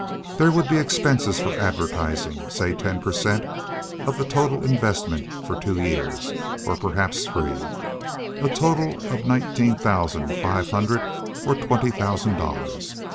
There would be expenses for advertising—say ten per cent, of the total investment for two years, or perhaps three—a total of nineteen thousand five hundred or twenty thousand dollars.